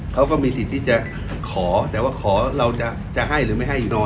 เขาก็มีสิทธิ์ที่จะขอแต่ว่าขอเราจะให้หรือไม่ให้รอ